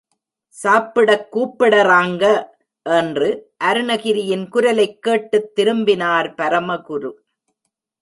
சாப்பிடக் கூப்பிடறாங்க! என்று அருணகிரியின் குரலைக் கேட்டுத் திரும்பினார் பரமகுரு.